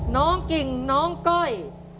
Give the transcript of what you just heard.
น้องกิ่งน้องก้อย